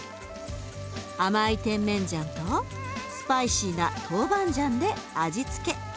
甘いテンメンジャンとスパイシーなトウバンジャンで味付け。